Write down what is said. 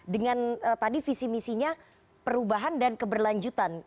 dengan tadi visi misinya perubahan dan keberlanjutan